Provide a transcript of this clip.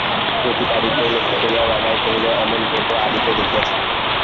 প্রতাপাদিত্যকে লক্ষ্য করিয়া রমাই কহিল, অমন ঢের ঢের আদিত্য দেখিয়াছি।